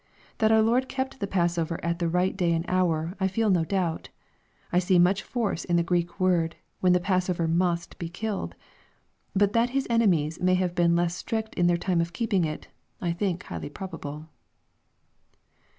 That our Lord kept the passover at the right day and hour, I feel no doubt. I see much force in the Q reek word, when the passover must be killed." But that His enemies may have been less strict in their time of keeping it, I think highly probable.